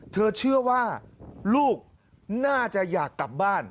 เธอเชื่อว่าลูกน่าจะอยากกลับบ้าน